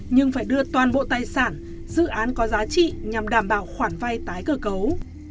nhưng phải đưa toàn bộ tài sản dự án có giá trị nhằm đảm bảo khoản vay tái cơ cấu